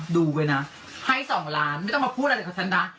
ดูไว้นะให้๒ล้านไม่ต้องมาพูดอะไรกับฉันนะ